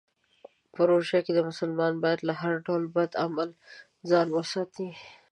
په روژه کې مسلمانان باید له هر ډول بد عمل ځان وساتي.